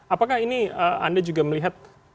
apakah ini anda juga melihat